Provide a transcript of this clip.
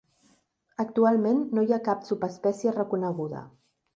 Actualment no hi ha cap subespècie reconeguda.